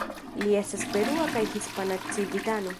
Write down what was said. Li estas perua kaj hispana civitano.